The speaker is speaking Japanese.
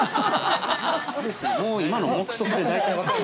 ◆もう今の目測で、大体分かる。